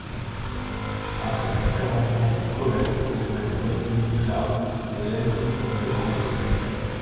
Grâce à une intervention de Covet auprès de Gottlieb Klauss, Hélène est promptement libérée.